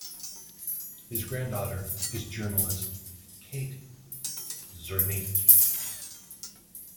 His granddaughter is journalist Kate Zernike.